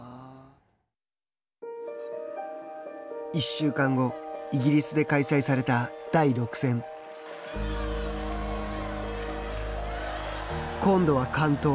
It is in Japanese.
１週間後、イギリスで開催された第６戦。今度は完登。